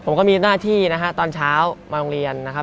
ผมก็มีหน้าที่นะฮะตอนเช้ามาโรงเรียนนะครับ